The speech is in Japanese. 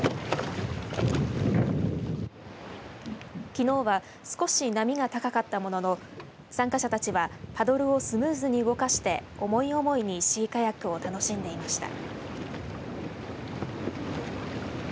きのうは少し波が高かったものの参加者たちはパドルをスムーズに動かして思い思いにシーカヤックを楽しんでいました。